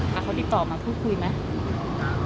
แล้วเขาติดต่อมาพูดคุยไหม